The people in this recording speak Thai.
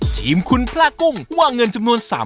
ชิมคุณพระกุ้งว่าเงินจำนวน๓๐๐บาท